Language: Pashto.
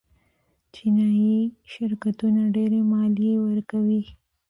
چینايي شرکتونه ډېرې مالیې ورکوي.